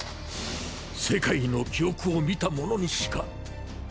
世界の記憶を見た者にしか。